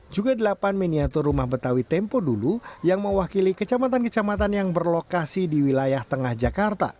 juga delapan miniatur rumah betawi tempo dulu yang mewakili kecamatan kecamatan yang berlokasi di wilayah tengah jakarta